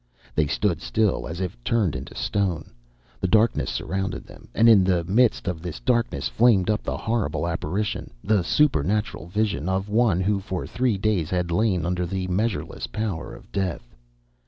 _ They stood still as if turned into stone. The darkness surrounded them, and in the midst of this darkness flamed up the horrible apparition, the supernatural vision, of the one who for three days had lain under the measureless power of death.